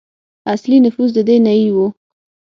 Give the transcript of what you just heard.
اصلي نفوس د دې نیيي وو.